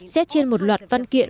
xét trên một loạt văn kiện